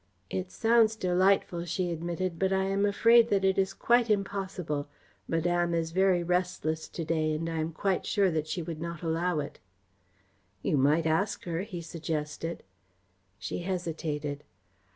"It sounds delightful," she admitted, "but I am afraid that it is quite impossible. Madame is very restless to day and I am quite sure that she would not allow it." "You might ask her," he suggested. She hesitated.